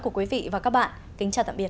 của quý vị và các bạn kính chào tạm biệt